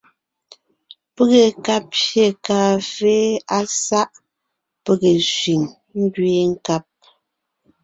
Pege ka pyé kàafé á sáʼ pege sẅiŋ ngẅeen nkab.